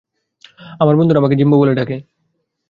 আমার বন্ধুরা আমাকে জিম্বো বলে ডাকে।